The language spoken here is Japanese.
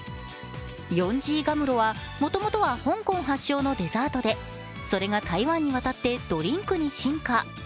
ヨンジーガムロは、もともとは香港発祥のデザートでそれが台湾に渡ってドリンクに進化。